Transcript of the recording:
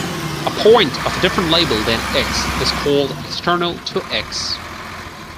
A point of a different label than "x" is called external to "x".